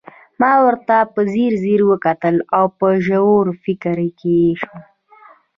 ما ورته په ځیر ځير وکتل او په ژور فکر کې شوم